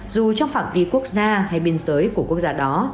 dù trong phạm vi quốc gia hay biên giới của quốc gia đó